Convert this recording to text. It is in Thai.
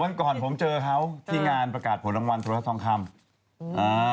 วันก่อนเธอเจอเขาที่งานประกาศผลรางวัลโทรท่าท่องคำ